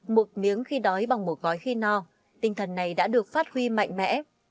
một miếng khi đói bằng một gói khi no tinh thần này đã được phát huy mạnh mẽ